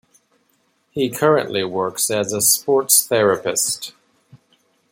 He currently works as a Sports therapist.